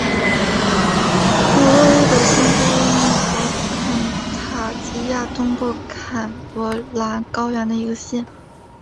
弗洛伊德县是位于美国肯塔基州东部坎伯兰高原的一个县。